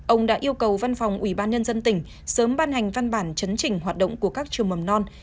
ông đã yêu cầu văn phòng ủy ban nhân dân tỉnh sớm ban hành văn bản chấn chỉnh hoạt động của các trường mầm non